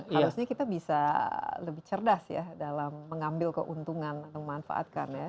harusnya kita bisa lebih cerdas ya dalam mengambil keuntungan atau memanfaatkan ya